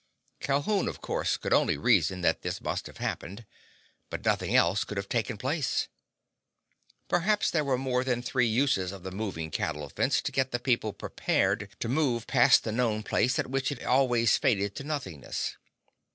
Calhoun, of course, could only reason that this must have happened. But nothing else could have taken place. Perhaps there were more than three uses of the moving cattle fence to get the people prepared to move past the known place at which it always faded to nothingness.